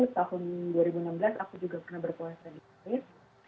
tahun dua ribu enam belas aku juga pernah berpuasa di inggris